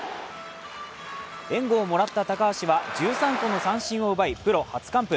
援護をもらった高橋は１３個の三振を奪い、プロ初完封。